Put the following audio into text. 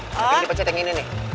tapi dipencet yang ini nih